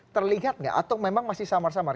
terlihat nggak atau memang masih samar samar